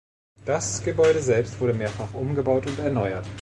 Das Gebäude selbst wurde mehrfach umgebaut und erneuert.